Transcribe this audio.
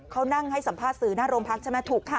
เขานั่งให้สัมภาษณ์สื่อหน้าโรงพักใช่ไหมถูกค่ะ